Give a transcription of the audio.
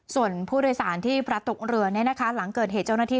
ส่วนผู้โดยสารที่พระตกเรือหลังเกิดเหตุเจ้าหน้าที่